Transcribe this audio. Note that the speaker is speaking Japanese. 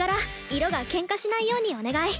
色がケンカしないようにお願い。